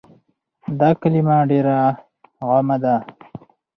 دا کلمه ډيره عامه ده